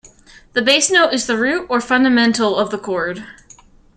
The bass note is the root or fundamental of the chord.